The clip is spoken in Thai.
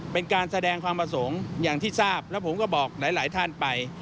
เป็นการแสดงความประสงค์อย่างที่ทราบแล้วผมก็บอกหลายท่านไป